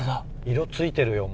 色付いてるよ